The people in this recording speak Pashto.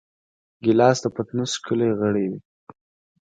ګیلاس د پتنوس ښکلی غړی وي.